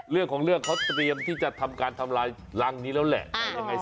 เรื่องของเรื่องเขาเตรียมที่จะทำการทำลายรังนี้แล้วแหละ